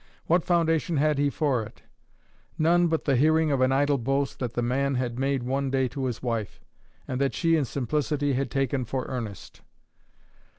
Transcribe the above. What foundation had he for it? None but the hearing of an idle boast that the man had made one day to his wife, and that she in simplicity had taken for earnest.